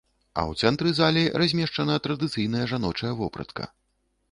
А ў цэнтры залі размешчана традыцыйная жаночая вопратка.